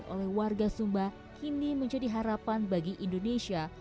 oleh warga sumba kini menjadi harapan bagi indonesia